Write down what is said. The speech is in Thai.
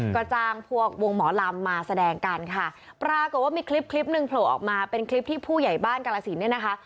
ก็จ้างพวกวงหมอลำมาแสดงกันค่ะปรากฏว่ามีคลิปคลิปหนึ่งโผล่ออกมาเป็นคลิปที่ผู้ใหญ่บ้านกรสินเนี่ยนะคะ